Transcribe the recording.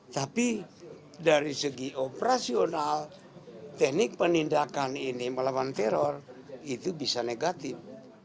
tapi dari segi operasional teknik penindakan ini melawan teror itu bisa negatif